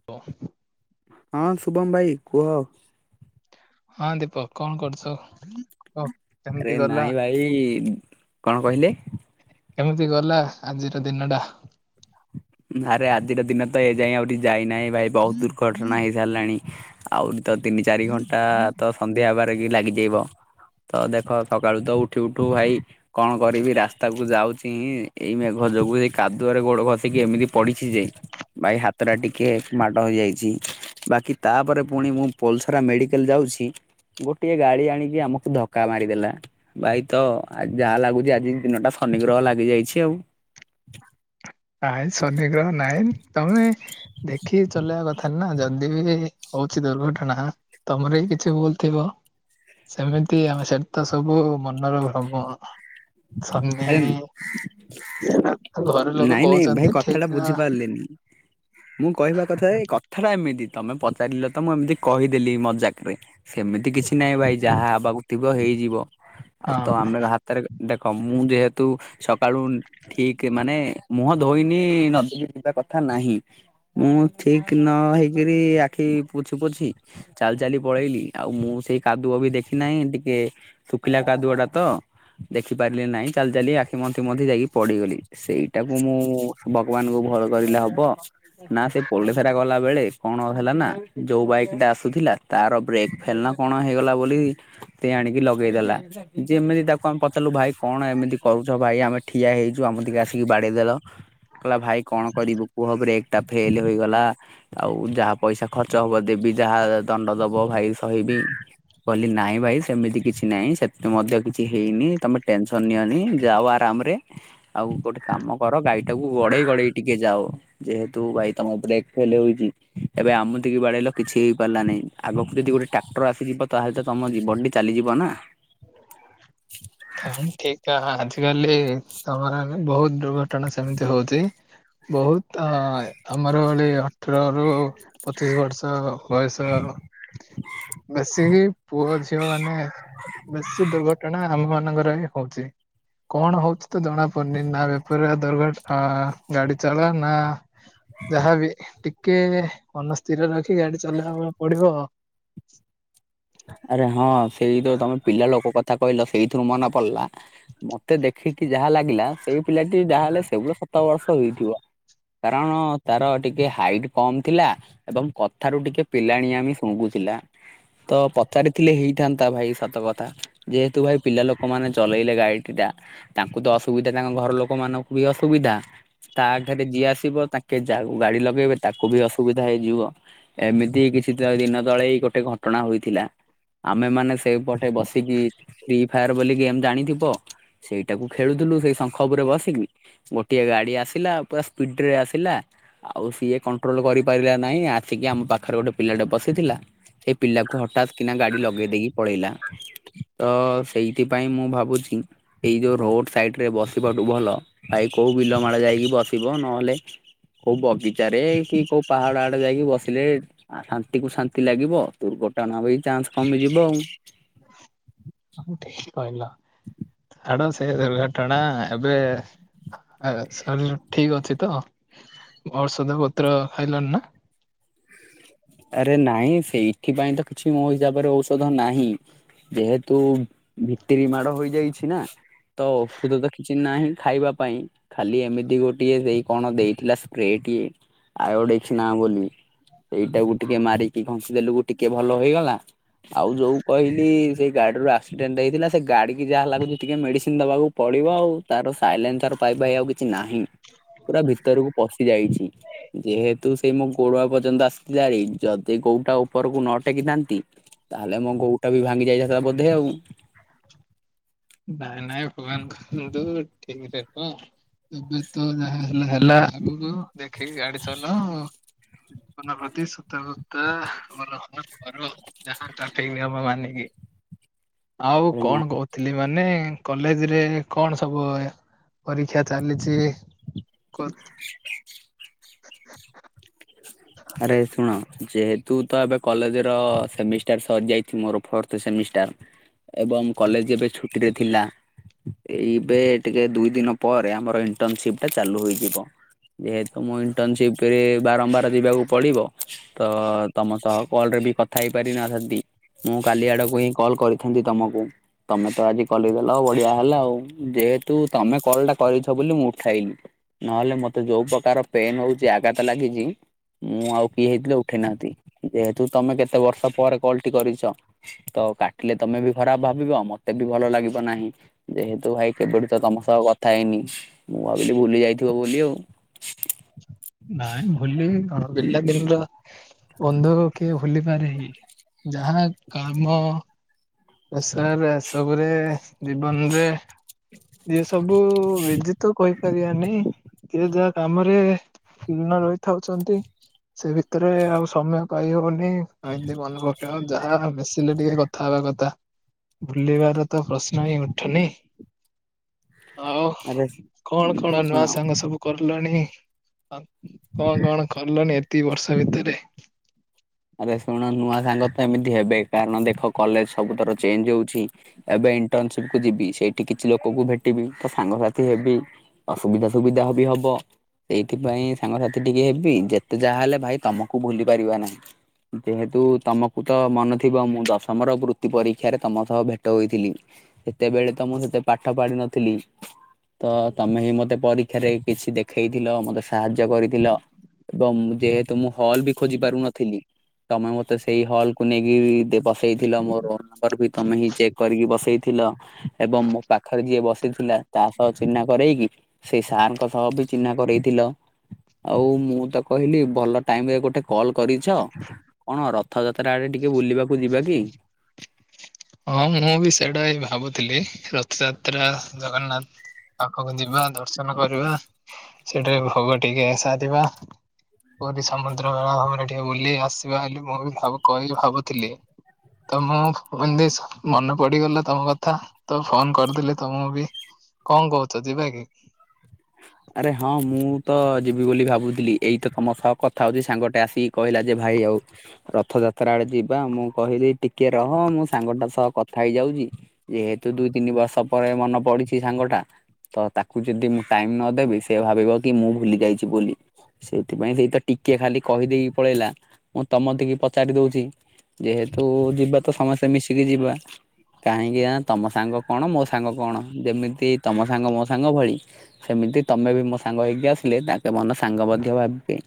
[inaudible] ହଁ ଶୁଭମ ଭାଇ କୁହ। ହଁ ଦୀପକ କଣ କରୁଛ? ଆରେ କେମିତି ଗଲା ନାଇଁ ଭାଇ କଣ କହିଲେ? କେମିତି ଗଲା ଆଜିର ଦିନ ଟା? ଆରେ ଆଜିର ଦିନ ତ ଏଯାଇ ଆହୁରି ଯାଇନାହିଁ ଭାଇ ବହୁତ ଦୁର୍ଘଟଣା ହେଇସାରିଲାଣି। ଆହୁରି ତ ତିନି ଚାରି ଘଣ୍ଟା ତ ସନ୍ଧ୍ୟା ହେବାରେ ବି ଲାଗିଯିବ ତ ଦେଖ ସକାଳୁ ତ ଉଠି ଉଠୁ ଭାଇ କଣ କରିବି ରାସ୍ତା କୁ ଯାଉଛିି ଏଇ ମେଘ ଯୋଗୁ ସେଇ କାଦୁଅରେ ଗୋଡ ଖଷିକି ଏମିତି ପଡ଼ିଛି ଯେ ଭାଇ ହାତ ହାତଟା ଟିକେ ମାଡ ହୋଇଯାଇଛି ବାକି ତାପରେ ପୁଣି ମୁଁ ପୋଲସରା ମେଡ଼ିକାଲ ଯାଉଛି। ଗୋଟିଏ ଗାଡି ଆଣିକି ଆମକୁ ଧକ୍କା ମାରିଦେଲା। ଭାଇ ତ ଯାହା ଲାଗୁଛି ଆଜି ଦିନଟା ଶନି ଗ୍ରହ ଲାଗି ଯାଇଛି ଆଉ। ନାଇଁ ଶନିଗ୍ରହ ନାହିଁ ତମେ ଦେଖିକି ଚଲେଇବା କଥା ନା ଯଦି ବି ହଉଛି ଦୁର୍ଘଟଣା। ତମର ହିଁ କିଛି ଭୁଲଥିବ। ସେମିତି ଆମେ ସେ ତ ସବୁ ମନର ଭ୍ରମ। ସନି ଆରେ ସେ ଘର ଲୋକ। ନାଇଁ ନାଇଁ ଭାଇ କହୁଛନ୍ତି କଥାଟା ଠିକ ବୁଝିପାରିଲେନି। ମୁଁ କହିବା କଥା କଥା ଟା ଏମିତି ତମେ ପଚାରିଲ ତ ମୁଁ ଏମିତି କହିଦେଲି ମଜାକରେ। ସେମିତି କିଛି ନାହିଁ ଭାଇ ଯାହା ହେବାକୁ ଥିବ ହେଇଯିବ। ଆଉ ତ ହଁ ଆମେ ହାତରେ ହ ମୁଁ ଯେହେତୁ ସକାଳୁ ଠିକ ମାନେ ମୁହଁ ଧୋଇନି ନଦୀକୁ ଯିବା କଥା ନାହିଁ। ମୁଁ ଠିକ ନ ହେଇକିରି ଆଖି ପୋଛି ପୋଛି ଚାଲି ଚାଲି ପଳେଇଲି ଆଉ ମୁଁ ସେଇ କାଦୁଅ ବି ଦେଖି ନାହିଁ ଟିକେ ଶୁଖିଲା କାଦୁଅ ଟା ତ। ଦେଖିପାରିଲି ନାଇଁ ଚାଲି ଚାଲି ଆଖି ମନ୍ଥି ମନ୍ଥି ଯାଇ ପଡ଼ିଗଲି। ସେଇଟାକୁ ମୁଁ ଭଗବାନଙ୍କୁ ଭଲ କରିଲେ ହବ ନା ସେ ପୋଲସରା ଗଲା ବେଳେ। କଣ ହେଲା ନା ଯୋଉ ବାଇକ୍ ଟା ଆସୁଥିଲା ତାର ବ୍ରେକ୍ ଫେଲ ନା କଣ ହେଇଗଲା ବୋଲି ସେ ଆଣିକି ଲଗେଇଦେଲା ଯେମିତି ତା କ ପଚାରିଲୁ ଭାଇ କଣ ଏମିତି କରୁଛ ଭାଇ ଆମେ ଠିଆ ହେଇଛୁ ଆମେ ଠିକି ଆସିକି ବାଡ଼େଇଦେଲ। କହିଲା ଭାଇ କଣ କରିବୁ କୁହ ବ୍ରେକ ଟା ଫେଲ ହୋଇଗଲା। ଆଉ ଯାହା ପଇସା ଖର୍ଚ୍ଚ ହବ ଦେବି ଯାହା ଦଣ୍ଡ ଦବ ଭାଇ ସହିିବି। କହିଲି ନାଇଁ ଭାଇ ସେମିତି କିଛି ନାଇଁ ସେତେ ମଧ୍ୟ କିଛି ହେଇନି। ତମେ ଟେନସନ୍ ନିଅନି ଯାଅ ଆରାମ ରେ। ଆଉ ଗୋଟେ କାମ କର ଗାଡ଼ି ଟାକୁ ଗଡ଼େଇ ଗଡ଼େଇ ଟିକେ ଯାଅ। ଯେହେତୁ ଭାଇ ତମ ବ୍ରେକ୍ ଫେଲ୍ ହୋଇଛି। ଏବେ ଆମଠିକି ବାଡ଼େଇଲ କିଛି ଗଲାନେଇଁ ଆଗକୁ ଯଦି ଗୋଟେ ଟ୍ରାକ୍ଟର ଆସିଯିବ ତାହେଲେ ତ ତମ ଜୀବନ ଟି ଚାଲିଯିବ ନା? [inaudible] ହ ଠିକ୍ କାହା ଆଜି କାଲି ତମର ବହୁତ ଦୁର୍ଘଟଣା ସେମିତି ହଉଛି। ବହୁତ ଅ ଆମର ଗୋଟେ ଅଠରରୁ ପଚିଶ ବର୍ଷ ବୟସର ମିଶୀକି ପୁଅ ଝିଅ ମାନେ [inaudible] ସୀ ଦୁର୍ଘଟଣା ଆମ ମାନଙ୍କର ହିଁ ହଉଛି କଣ ହଉଛି ତ ଜଣା ପଡ଼ୁନି ନା ବେ [unintelligible] ଦୁର୍ଘଟ ହଁ ଗାଡ଼ି ଚଲା ନାଁ ଯାହା ବି ଟି କେ ମନ ସ୍ଥିର ରଖି ଗାଡ଼ି ଚଲେଇବା ପଡ଼ିବ। ଆରେ ହଁ ସେଇ ତ ତମେ ପିଲା ଲୋକ କଥା କହିଲ ସେଇଥିରୁ ମନେ ପଡ଼ିଲା। ମତେ ଦେଖିକି ଯାହା ଲାଗିଲା ସେଇ ପିଲାଟି ଯାହାହେଲେ ସେଉଳ ସତ ବର୍ଷ ହେଇଥିବ? କାରଣ ତାର ଟିକେ ହାଇଟ୍ କମ୍ ଥିଲା। ଏବଂ କଥାରୁ ଟିକେ ପିଲାଣିଆମ ଶୁଙ୍ଗୁଥିଲା ତ ତ ଚାରିଥିଲେ ହେଇଥାନ୍ତା ଭାଇ ସତ କଥା ଯେହେତୁ ଭାଇ ପିଲା ଲୋକମାନେ ଚଲେଇଲେ ଗାଡ଼ି ଟି ଟା। ତାଙ୍କୁ ତ ଅସୁବିଧା ତାଙ୍କ ଘର ଲୋକ ମାନଙ୍କୁ ବି ଅସୁବିଧା। ତାଠାରେ ରେ ଯିଏ ଆସିବ ତାଙ୍କେ ଜାଉ ଗାଡ଼ି ଲଗେଇବେ ତାକୁ ବି ଅସୁବିଧା ହୋଇଯିବ। ଏମିତି କିଛି ତ ଦିନ ତଳେ ଗୋଟେ ଘଟଣା ହୋଇଥିଲା। ଆମେ ମାନେ ସେଇ ପଟେ ବସିକି ଫ୍ରି ଫାୟାର ବୋଲି ଗେମ୍ ଜାଣିଥିବ? ସେଇଟାକୁ ଖେଳୁଥିଲୁ ସେଇ ଶଙ୍ଖ ଉପରେ ବସିକି। ଗୋଟିଏ ଗଗାଡ଼ି ଆସିଲା ପୁରା ସ୍ପିଡ ରେ ଆସିଲା। ଆଉ ସିଏ କଣ୍ଟ୍ରୋଲ କରିପାରିଲା ନାହିଁ ଆସିକି ଆମ ପାଖରେ ଗୋଟେ ପିଲାଟେ ପଶିଥିଲା ସେ ପିଲାକୁ ହଠାତ୍ କିନା ଗାଡ଼ି ଲଗେଇ ଦେଇକି ପଳେଇଲା। ତ ସେଇଥିପାଇଁ ମୁଁ ଭାବୁଛି? ଏଇ ଯୋଉ ରୋଟ୍ ସାଇଟ୍ରେ ବସିବାଠୁ ଭଲ ଭାଇ କୋଉ ବିଲ ମାଳ ଯାଇକି ବସିବ ନହେଲେ କୋଉ ବଗିଚାରେ କି କୋଉ ପାହାଡ଼ ଆଡ଼େ ଯାଇକି ବସିଲେ ଆଉ ଶାନ୍ତି କୁ ଶାନ୍ତି ଲାଗିବ ଦୁର୍ଘଟଣା ବି ଚାନ୍ସ କମିଯିବ ଆଉ। ଠିକ୍ କହିଲ। ଛାଡ଼ ସେ ଦୁର୍ଘଟଣା ଏବେ ଏ ସରଜୁ ଠିକ୍ ଅଛି ତ? ଔଷଧା ପତ୍ର ଖାଇଲଣି ନା? ଆରେ ନାଇଁ ସେଇଥି ପାଇଁ ତ କିଛି ମୋ ହିସାବରେ ଔଷଧ ନାହିଁ। ଯେହେତୁ ଭିତ୍ତିରି ମାଡ଼ ହେଇ ଯାଇଛି ନା। ତ ଔଷଧ ତ କିଛି ନାହିଁ ଖାଇବା ପାଇଁ। ଖାଲି ଏମିତି ଗୋଟିଏ ଦେଇ କଣ ଦେଇଥିଲା ସ୍ପ୍ରେ ଟିଏ [unintelligible] ସେଇଟାକୁ ଟିକେ ମାରିକି ଘଂଶିଦେଲୁ ଟିକେ ଭଲ ହେଇଗଲା। ଆଉ ଯୋଉ କହିଲି ସେଇ ଗାଡିରୁ ଆକ୍ସିଡେଣ୍ଟ ହେଇଥିଲା ସେ ଗାଡ଼ି କି ଯାହା ହେ ଲାଗୁଛି ଟିକେ ମେଡିସିନ ଦବାକୁ ପଡ଼ିବ ଆଉ ତାର ସାଇଲେନ୍ସର ପାଇପ୍ ଭାଇ ଆଉ କିଛି ନାହିଁ। ପୁରା ଭିତରକୁ ପଶି ଯାଇଛି ଯେହେତୁ ସେଇ ମୋ ଗୋଡ଼ଆ ପର୍ଯ୍ୟନ୍ତ ଆସି ଥିଲା ହାରି। ଯଦି ଗୋଉଟା ଉପରକୁ ନ ଟେକିଥାନ୍ତି ତାହେଲେ ମୋ ଗୋଉଟା ବି ଭାଙ୍ଗି ଯାଇଥାଆନ୍ତା ବୋଧେ ଆଉ? ନାଇଁ ନାଇଁ ଭଗବାନ କରନ୍ତୁ ଠିକ ରେ ରୁହ। ଏବେ ତ ଯାହା ହେଲା ହେଲା ଆଗକୁ ଦେଖିକି ଗାଡି ଚଲାଅ। ଜୀବନ ପ୍ରତି ସତର୍କତା ଅବଲମ୍ୱନ କର। ଯାହା ଟ୍ରାଫିକ ନିୟମ ମାନିକି ଆଉ ଆରେ ନା କଣ କହୁ ଥିଲି ମାନେ କଲେଜ ରେ କଣ ସବୁ ପରୀକ୍ଷା ଚାଲିଛି [inaudible] ଆରେ ଶୁଣ ଯେହେ ତୁ ତ ଏବେ କଲେଜ ର ସେମିଷ୍ଟାର ସରିଯାଇଛି ମୋର ଫୋର୍ଥ ସେମିଷ୍ଟାର ଏବଂ କଲେଜ ଏବେ ଛୁଟିରେ ଥିଲା ଏଇ ଏବେ ଟିକେ ଦୁଇ ଦିନ ପରେ ଆମର ଇଣ୍ଟରନସିପ ଟା ଚାଲୁ ହେଇଯିବ ଯେହେତୁ ମୁଁ ଇଣ୍ଟର୍ନସିପ୍ରରେ ବାରମ୍ବାର ଯିବାକୁ ପଡିବ ତ ତମ ସହ କଲରେ ବି କଥା ହେଇପାରି ନଥାନ୍ତି ମୁଁ କାଲି ଆଡକୁ ହିଁ କଲ କରିଥାନ୍ତି ତମକୁ ତମେ ତ ଆଜି କଲଦେଲ ବଢିଆ ହେଲା ଆଉ ଯେହେତୁ ତମେ କଲ ଟା କରିଛ ବୋଲି ମୁଁ ଉଠାଇଲିି ନହେଲେ ମୋତେ ଯୋଉ ପ୍ରକାର ପେନ ହଉଛି ଆଘାତ ଲାଗିଛି ମୁଁ ଆଉ କିଏ ହେଇଥିଲେ ଉଠେଇ ନାହାନ୍ତି ଯେହେତୁ ତମେ କେତେ ବର୍ଷ ପରେ କଲଟି କରିଛ ତ କାଟିଲେ ତମେ ବି ଖରାପ ଭାବିବ ମତେ ବି ଭଲ ଲାଗିବ ନାହିଁ ଯେହେତୁ ଭାଇ କେବେଠୁ ତ ତମ ସହ କଥା ହେଇନି ମୁଁ ଭାବିଲି ଭୁଲି ଯାଇଥିବ ବୋଲି ଆଉ ନାଇଁ ଭୁଲିବି କଣ ପିଲା ଦିନର ବନ୍ଧୁ କିଏ ଭୁଲିପାରେ ହିଁ ଯାହା କାମ ସାର ଏସବୁରେ ଜୀବନରେ ଏ ସବୁ ବିଜି ତ କହି କରିବାନି କି ଯାହା କାମରେ [inaudible] ରହିଥାଉଛନ୍ତି ସେ ଭିତରେ ଆଉ ସମୟ ପାଇହବନି ଏମତି ମନ ମିଶିଲେ ଯାହା ମିଶିଲେ ଟିକେ କଥା ହେବା କଥା। ବୁଲିବାର ତ ପ୍ରଶ୍ନ ହିଁ ଉଠୁନି? ଆଉ ଆରେ କଣ କଣ ଶୁଣ ନୂଆ ସାଙ୍ଗ ସବୁ କରିଲଣି କଣ କଣ କରିଲଣି ଏତିକ ବର୍ଷ ଭିତରେ? ଆରେ ଶୁଣ ନୂଆ ସାଙ୍ଗ ତ ଏମିତି ହେବେ କାରଣ ଦେଖ କଲେଜ ସବୁଥର ଚେଞ୍ଜ ହଉଛି ଏବେ ଇଣ୍ଟନସିପ କୁ ଯିବି ସେଇଠି କିଛି ଲୋକଙ୍କୁ ଭେଟିବି ତ ସାଙ୍ଗସାଥି ହେବି ଅସୁବିଧା ସୁବିଧା ବି ହବ ସେଇଥିପାଇଁ ସାଙ୍ଗସାଥି ଟିକେ ହେବି ଯେତେ ଯାହା ହେଲେ ଭାଇ ତମକୁ ଭୁଲି ପାରିବା ନାହିଁ। ଯେହେତୁ ତମକୁ ତ ମନେ ଥିବ ମୁଁ ଦଶମର ବୃତ୍ତି ପରୀକ୍ଷାରେ ତମ ସହ ଭେଟ ହୋଇଥିଲି ସେତେବେଳେ ତ ମୁଁ ସେତେ ପାଠ ପାଢ଼ୀନଥିଲି ତ ତମେ ହିଁ ମତେ ପରୀକ୍ଷାରେ କିଛି ଦେଖେଇଥିଲ ମତେ ସାହାଯ୍ୟ କରିଥିଲ ଏବଂ ଯେହେତୁ ମୁଁ ହଲ୍ ବି ଖୋଜି ପାରୁନଥିଲି ତମେ ମତେ ସେଇ ହଲ କୁ ନେଇକି ବସେଇଥିଲ ମୋ ରୋଲ ନମ୍ବର ବି ତମେ ହିଁ ଚେକ୍ କରିକି ବସେଇଥିଲ ଏବଂ ମୋ ପାଖରେ ଯିଏ ବସିଥିଲା ତା ସହ ଚିହ୍ନା କରେଇକି ସେଇ ସାରଙ୍କ ସହ ବି ଚିହ୍ନା କରରେଇଥିଲ ଆଉ ମୁଁ ତ କହିଲି ଭଲ ଟାଇମ ରେ ଗୋଟେ କଲ୍ କରିଛ [unintelligible] କଣ ରଥଯାତ୍ରା ଆଡେ ଟିକେ ବୁଲିବାକୁ ଯିବା କି? ହଁ ମୁଁ ବି ସେଇଟା ହି ଭାବୁଥିଲି ରଥଯାତ୍ରା ଜଗନ୍ନାଥ ପାଖକୁ ଯିବା ଦର୍ଶନ କରିବା, ସେଠାରେ ଭୋଗ ଟିକେ ସାରିବା। ପୁରୀ ସମୁଦ୍ରବେଳା ଭୂମିରେ ଟିକେ ବୁଲି ଆସିବା ବୋଲି ମୁଁ ବିି କହିବି ଭାବୁଥିଲି। ତ ମୁଁ ମନେ ପଡିଗଲା ତମ କଥା ତ ଫୋନ କରିଦେଲି ତମକୁ ବି। କଣ କହୁଛ ଯିବା କି? ଆରେ ହଁ ମୁଁ ତ ଯିବି ବୋଲି ଭାବୁଥିଲି, ଏଇ ତ ତମ ସହ କଥା ହଉଛି ସାଙ୍ଗଟେ ଆସିକି କହିଲା ଯେ ଭାଇ ଆଉ ରଥଯାତ୍ରା ଆଡେ ଯିବା ମୁଁ କହିଲି ଟିକେ ରହ ମୁଁ ସାଙ୍ଗଟା ସହ କଥା ହେଇଯାଉଛି। ଯେହେତୁ ଦୁଇ ତିନି ବର୍ଷ ପରେ ମନେ ପଡିଛି ସାଙ୍ଗଟା ତ ତାକୁ ଯଦି ମୁଁ ଟାଇମ ନଦେବି ଦେବି ସେ ଭାବିବ କି ମୁଁ ଭୁଲି ଯାଇଛି ବୋଲି। ସେଇଥିପାଇଁ ସେଇ ତ ଟିକେ ଖାଲି କହିଦେଇକି ପଳେଇଲା ମୁଁ ସମସ୍ତିଙ୍କି ପଚାରିଦଉଛି। ଯେହେତୁ ଯିବା ତ ସମସ୍ତେ ମିଶିକି ଯିବା। କାହିଁକି ନା ତମ ସାଙ୍ଗ କଣ, ମୋ ସାଙ୍ଗ କଣ ଯେମିତି ତମ ସାଙ୍ଗ ମୋ ସାଙ୍ଗ ଭଳି ସେମିତି ତମେ ବି ମୋ ସାଙ୍ଗ ହେଇକି ଆସିଲେ ତାଙ୍କେ ମନ ସାଙ୍ଗ ମଧ୍ୟ ଭାବିବେ।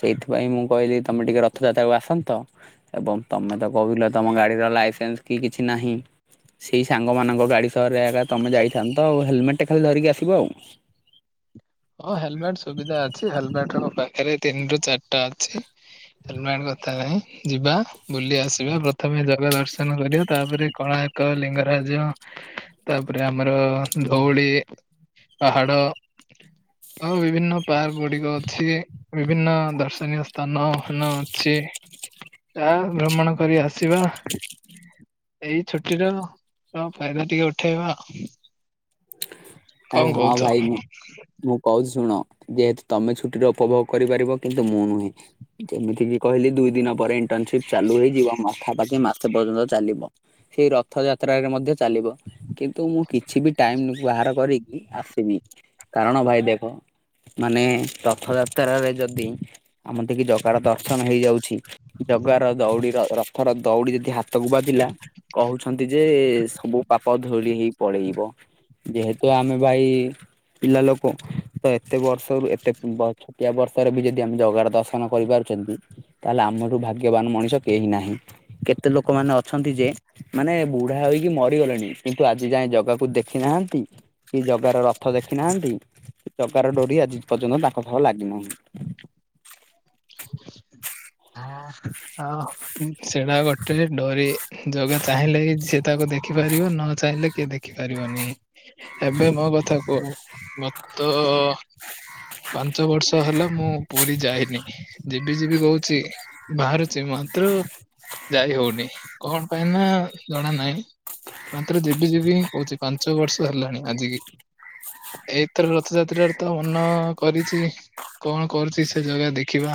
ସେଇଥିପାଇଁ ମୁଁ କହିଲି ତମେ ଟିକେ ରଥଯାତ୍ରାକୁୁ ଆସନ୍ତ ଏବଂ ତମେ ତ କହୁଥିଲ ତମ ଗାଡିର ଲାଇସେନ୍ସ କି କିଛି ନାହିଁ। ସେଇ ସାଙ୍ଗମାନଙ୍କ ଗାଡ଼ି ସହରରେ ଏକା ତମେ ଯାଇଥାନ୍ତ ତ ଆଉ ହେଲମେଟ ଖାଲି ଧରିକି ଆସିବ ଆଉ। ହଁ ହେଲମେଟ ସୁବିଧା ଅଛି, ହେଲମେଟ ମୋ ପାଖରେ ତିନି ରୁ ଚାରିଟା ଅଛି। ହେଲମେଟ କଥା ନାହିଁ ଯିବା ବୁଲି ଆସିବା ପ୍ରଥମେ ଜଗା ଦର୍ଶନ କରିବା ତାପରେ କୋଣାର୍କ ଲିଙ୍ଗରାଜ ତାପରେ ଆମର ଧଉଳି ପାହାଡ଼ ଆଉ ବିଭିନ୍ନ ପାର୍କ ଗୁଡିକ ଅଛି, ବିଭିନ୍ନ ଦର୍ଶନୀୟ ସ୍ଥାନ ଫାନ ଅଛି ତାହା ଭ୍ରମଣ କରି ଆସିବା। ଏଇ ଛୁଟିର ତ ଫାଇଦା ଟିକେ ଉଠେଇବା ଆଉ। ଆରେ ହଁ ଭାଇ ମୁଁ ମୁଁ କହୁଛି ଶୁଣ ଯେହେତୁ ତମେ ଛୁଟିର ଉପଭୋଗ କରିପାରିବ କିନ୍ତୁ ମୁଁ ନୁହେଁ। ଯେମିତିକି କହିଲି ଦୁଇ ଦିନ ପରେ ଇଣ୍ଟରନସିପ୍ ଚାଲୁ ହେଇଯିବ ପାଖାପାଖି ମାସେ ପର୍ଯ୍ୟନ୍ତ ଚାଲିବ। ସେଇ ରଥଯାତ୍ରାରେ ମଧ୍ୟ ଚାଲିବ କିନ୍ତୁ ମୁଁ କିଛି ବି ଟାଇମ ବାହାର କରି। ଆସିବି, କାରଣ ଭାଇ ଦେଖ ମାନେ ରଥଯାତ୍ରାରେ ଯଦି ଆମର ଟିକେ ଜଗାର ଦର୍ଶନ ହେଇଯାଉଛି। ଜଗାର ଦଉଡିର ରଥର ଦଉଡି ଯଦି ହାତକୁ ବାଜିଲା। କହୁଛନ୍ତି ଯେ ସବୁ ପାପ ଧୋଳି ହେଇ ପଳେଇବ, ଯେହେତୁ ତ ଆମେ ଭାଇ ପିଲା ଲୋକତ ଏତେ ବର୍ଷରୁ ଏତେ ଛୋଟିଆ ବର୍ଷରେ ବି ଯଦି ଆମେ ଜଗାର ଦର୍ଶନ କରିପାରୁଛନ୍ତି ତାହେଲେ ଆମଠୁ ଭାଗ୍ୟବାନ ମଣିଷ କେହି ନାହିଁ, କେତେ ଲୋକମାନେ ଅଛନ୍ତି ଯେ ମାନେ ବୁଢା ହେଇକି ମରିଗଲେଣି କିନ୍ତୁ ଆଜି ଯାଏ ଜାଗାକୁ ଦେଖିନାହାନ୍ତି। କି ଜଗାର ରଥ ଦେଖିନାହାନ୍ତି, ଜଗାର ଡୋରି ଆଜି ପର୍ଯ୍ୟନ୍ତ ତାଙ୍କ ସହ ଲାଗିନାହିଁ। ହଁ ସେଟା ଗୋଟେ ଡୋରି ଜଗା ଚାହିଁଲେ ହିଁ ସିଏ ତାକୁ ଦେଖି ପାରିବ ନ ଚାହିଁଲେ କିଏ ଦେଖି ପାରିବନି। ଏବେ ମୋ କଥା କୁହ ମୋତେ ତ ପାଞ୍ଚ ବର୍ଷ ହେଲା ମୁଁ ପୁରୀ ଯାଇନି। ଯିବି ଯିବି କହୁଛି ବାହାରୁଛି ମାତ୍ର ଯାଇହଉନି କଣ ପାଇଁ ନା ଜଣା ନାହିଁ। ମାତ୍ର ଯିବି ଯିବି ହିଁ କହୁଛି ପାଞ୍ଚ ବର୍ଷ ହେଲାଣି ଆଜିକି। ଏଇଥର ରଥଯାତ୍ରାରେ ତ ମନ କରିଛି। କଣ କରୁଛି ସେ ଜଗା ଦେଖିବା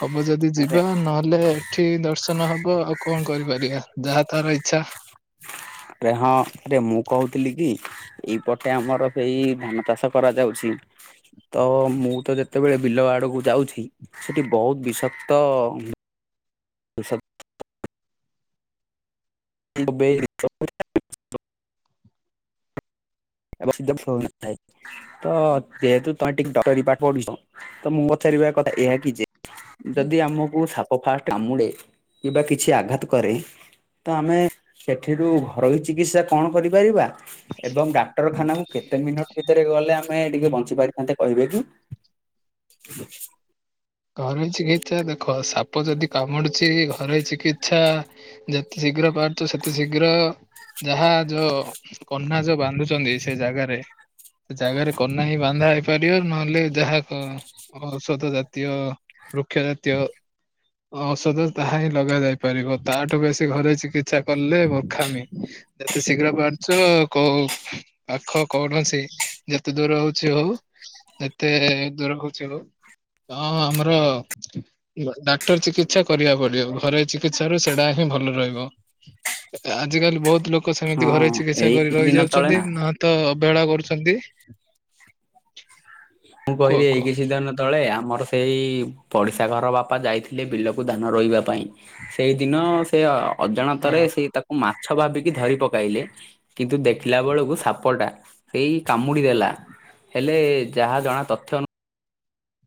ହବ ଯଦି ଆରେ ଯିବା ନହେଲେ ଏଠି ଦର୍ଶନ ତ ନ ହବ ଆଉ କଣ କରିପାରିବା ଯାହା ତାର ଇଚ୍ଛା। ରେ ହଁ ଆରେ ମୁଁ କହୁଥିଲି କି ଏଇପଟେ ଆମର ସେଇ ଧାନ ଚାଷ କରାଯାଉଛି। ତ ମୁଁ ତ ଯେତେବେଳେ ବିଲ ଆଡକୁ ଯାଉଛି ସେଠି ବହୁତ ବିଷକ୍ତ [inaudible] [inaudible] ତ ଯେହେତୁ ତମେ ଟିକେ ଡକ୍ଟରୀ ପାଠ ପଢୁଛ ତ ମୁଁ ପଚାରିବା କଥା ଏହା କି ଯେ ଯଦି ଆମକୁ ସାପ ଫାଷ୍ଟ କାମୁଡ଼େ କିମ୍ବା କିଛି ଆଘାତ କରେ। ତ ଆମେ ସେଥିରୁ ଘରୋଇ ଚିକିତ୍ସା କଣ କରିପାରିବା? ଏବଂ ଦା ଡାକ୍ଟରଖାନାକୁ କେତେ ମିନିଟ୍ ଭିତରେ ଗଲେ ଆମେ ଟିକେ ବଞ୍ଚି ପାରିଥାନ୍ତେ କହିବେ କି? [inaudible] ଘରୋଇ ଚିକିତ୍ସା ଦେଖ ସାପ ଯଦି କାମୁଡୁଛି ଘରୋଇ ଚିକିତ୍ସା ଯେତେ ଶୀଘ୍ର ପାରୁଛ ସେତେ ଶୀଘ୍ର ଯାହା ଯୋଉ କନା ଯୋଉ ବାନ୍ଧୁଛନ୍ତି ସେ ଜାଗାରେ ସେ ଜାଗାରେ କନା ହିଁ ବାନ୍ଧା ହେଇପାରିବ ନହେଲେ ଯାହା ଔଷଧ ଜା ଜାତୀୟ ବୃକ୍ଷ ଜାତୀୟ ଔଷଧ ତାହା ହିଁ ଲଗା ଯାଇପାରିବ ତାଠୁ ବେଶୀ ଘୋରୋଇ ଚିକିତ୍ସା କଲେ ମୁର୍ଖାମି। ଯେତେ ଶୀଘ୍ର ପାରୁଛ କୋଉ ପାଖ କୌଣସି ଯେତେ ଦୂର ହଉଛି ହଉ ଯେତେ ଦୂର ହଉଛି ହଉ ଅ ହଁ ଆମର ଡାକ୍ତର ଚିକିତ୍ସା କରିବାକୁ ପଡିବ ଘରୋଇ ଚିକିତ୍ସାରୁ ସେଇଟା ହିଁ ଭଲ ରହିବ। ଆଜିକାଲି ବହୁତ ଲୋକ ସେମିତି ହଁ ଘରୋଇ ଚିକିତ୍ସା ଏଇ କରି କିଛି ରହି ଦିନ ତଳେ ଯାଉଛନ୍ତି। ନା ନହେଲେ ତ ଅବହେଳା କରୁଛନ୍ତି। ମୁଁ କୁହ କହିଲି ଏଇ କୁହ କିଛିଦିନ ତଳେ ଆମର ସେଇ ପଡିଶା ଘର ବାପା ଯାଇଥିଲେ ବିଲକୁ ଧାନ ରୋଇବା ପାଇଁ ସେଇଦିନ ସେ ହଁ ଅଜାଣତରେ ସେଇ ତାକୁ ମାଛ ଭାବିକି ଧରି ପକାଇଲେ। କିନ୍ତୁ ଦେଖିଲା ବେଳକୁ ସାପଟା ଏଇ କାମୁଡି ଦେଲା ହେଲେ ଯାହା ଜଣା ତଥ୍ୟ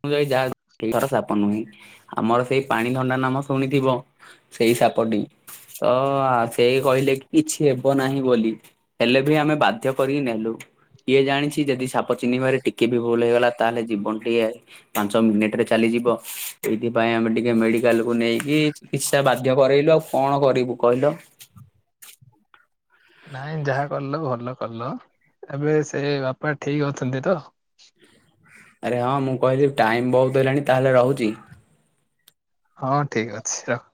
ଅନୁଯାଇ ଯାହା ଧର ସାପ ନୁହେଁ ଆମର ସେଇ ପାଣିଧଣ୍ଡା ନାମ ଶୁଣିଥିବ। ସେଇ ସାପଟି ତ ସେ କହିଲେ କିଛି ହେବ ନାହିଁ ବୋଲି। ହେଲେ ବି ଆମେ ବାଧ୍ୟ କରିକି ନେଲୁ। କିଏ ଜାଣିଛି ଯଦି ସାପ ଚିହ୍ନିବାରେ ଟିକେ ବି ଭୁଲ ହେଇଗଲା ତାହେଲେ ଜୀବନ ଟିଏ ପାଞ୍ଚ ମିନିଟରେ ଚାଲିଯିବ ଏଇଥିପାଇଁ ଆମେ ଟିକେ ମେଡିକାଲକୁୁ ନେଇକି କି୍ସଟା ବାଧ୍ୟ କରାଇଲୁ ଆଉ କଣ କରିବୁ କହିଲ? ନାଇଁ ଯାହା କଲ ଭଲ କଲ ଏବେ ସେ ବାପା ଠିକ ଅଛନ୍ତି ତ? ଆରେ ହଁ ମୁଁ କହିଲି ଟାଇମ ବହୁତ ହେଲାଣି ତାହେଲେ ରହୁଛି। ହଁ ଠିକ ଅଛି ରଖ।